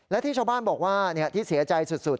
และที่ชาวบ้านบอกว่าที่เสียใจสุด